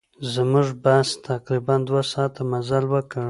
زموږ بس تقریباً دوه ساعته مزل وکړ.